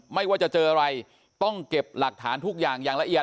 ไม่ว่าจะเจออะไรต้องเก็บหลักฐานทุกอย่างอย่างละเอียด